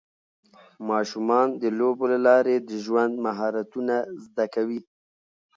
ماشومان د لوبو له لارې د ژوند مهارتونه زده کوي.